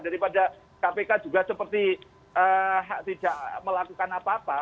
daripada kpk juga seperti tidak melakukan apa apa